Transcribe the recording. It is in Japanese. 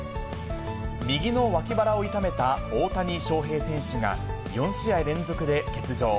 右の脇腹を痛めた大谷翔平選手が、４試合連続で欠場。